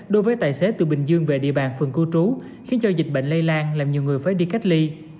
đối với tài xế từ bình dương về địa bàn phường cư trú khiến cho dịch bệnh lây lan làm nhiều người phải đi cách ly